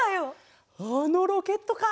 あのロケットか。